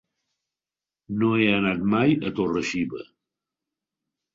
No he anat mai a Torre-xiva.